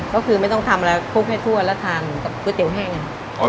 ก็คือไม่ต้องทำอะไรคลุกให้ทั่วแล้วทานกับก๋วยเตี๋แห้ง